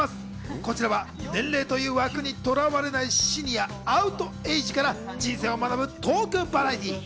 こちらは年齢という枠にとらわれないシニア、アウトエイジから人生を学ぶトークバラエティー。